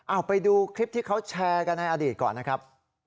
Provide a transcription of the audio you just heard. เอาไปดูคลิปที่เขาแชร์กันในอดีตก่อนนะครับ